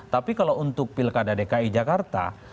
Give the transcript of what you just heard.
tapi kalau untuk pilkada dki jakarta